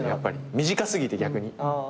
身近すぎて逆に。